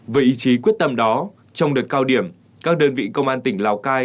với ý chí quyết tâm đó trong đợt cao điểm các đơn vị công an tỉnh hồ cài